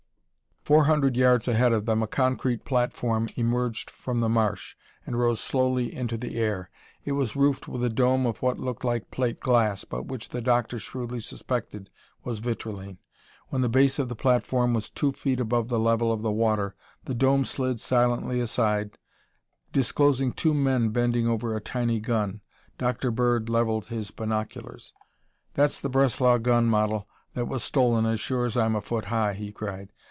Four hundred yards ahead of them a concrete platform emerged from the marsh and rose slowly into the air. It was roofed with a dome of what looked like plate glass, but which the doctor shrewdly suspected was vitrilene. When the base of the platform was two feet above the level of the water the dome slid silently aside disclosing two men bending over a tiny gun. Dr. Bird leveled his binoculars. "That's the Breslau gun model that was stolen as sure as I'm a foot high!" he cried.